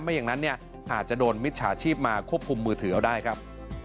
อย่างนั้นเนี่ยอาจจะโดนมิจฉาชีพมาควบคุมมือถือเอาได้ครับ